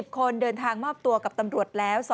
คนเดินทางมอบตัวกับตำรวจแล้ว